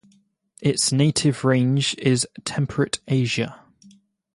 Its native range is temperate Asia.